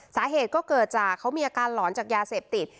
สาเหตุก็เกิดจากเขามีอาการหลอนจากยาเสพติด